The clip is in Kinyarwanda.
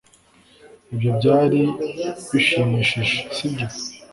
Ibyo byari bishimishije sibyo